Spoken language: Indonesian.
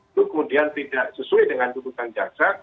itu kemudian tidak sesuai dengan tuntutan jaksa